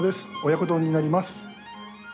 親子丼になります。